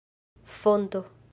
fonto